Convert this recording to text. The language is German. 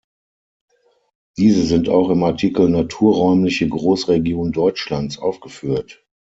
Diese sind auch im Artikel "Naturräumliche Großregionen Deutschlands" aufgeführt.